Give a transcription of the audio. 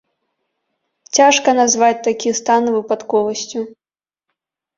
Цяжка назваць такі стан выпадковасцю.